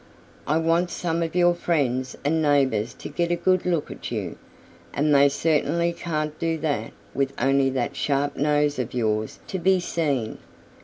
"I want some of your friends and neighbors to get a good look at you, and they certainly can't do that with only that sharp nose of yours to be seen.